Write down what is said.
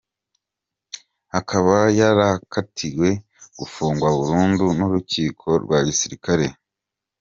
Akaba yarakatiwe gufungwa burundu n’urukiko rwa Gisirikare.